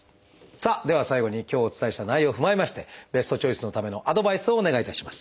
さあでは最後に今日お伝えした内容を踏まえましてベストチョイスのためのアドバイスをお願いいたします。